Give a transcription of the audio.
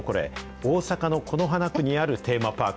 大阪の此花区にあるテーマパーク。